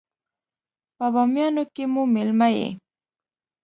په بامیانو کې مو مېلمه يې.